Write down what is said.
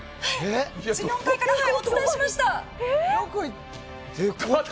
１４階からお伝えしました。